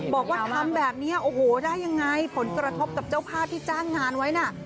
บอกว่าทำแบบนี้โอ้โหได้ยังไงผลกระทบกับเจ้าภาพที่จ้างงานไว้น่ะ